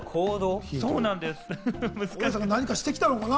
大家さんが何かしてきたのかな？